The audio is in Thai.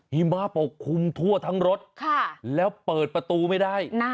หิมะปกคลุมทั่วทั้งรถแล้วเปิดประตูไม่ได้